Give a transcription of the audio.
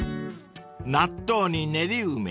［納豆に練り梅］